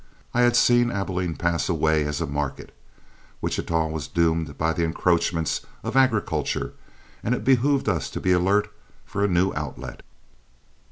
I had seen Abilene pass away as a market, Wichita was doomed by the encroachments of agriculture, and it behooved us to be alert for a new outlet.